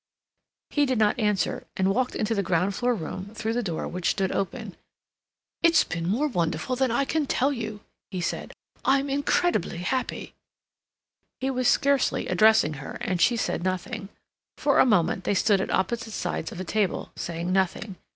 He did not answer, and walked into the ground floor room through the door which stood open. "It's been more wonderful than I can tell you," he said, "I'm incredibly happy—" He was scarcely addressing her, and she said nothing. For a moment they stood at opposite sides of a table saying nothing.